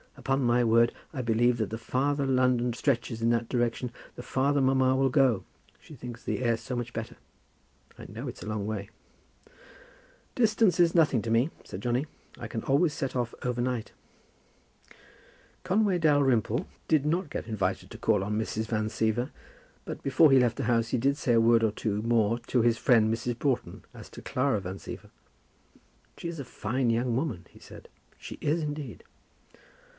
"Upon my word, I believe that the farther London stretches in that direction, the farther mamma will go. She thinks the air so much better. I know it's a long way." "Distance is nothing to me," said Johnny; "I can always set off over night." Conway Dalrymple did not get invited to call on Mrs. Van Siever, but before he left the house he did say a word or two more to his friend Mrs. Broughton as to Clara Van Siever. "She is a fine young woman," he said; "she is indeed."